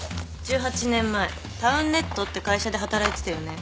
１８年前タウンネットって会社で働いてたよね？